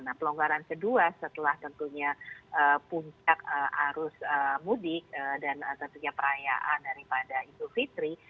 nah pelonggaran kedua setelah tentunya puncak arus mudik dan tentunya perayaan daripada idul fitri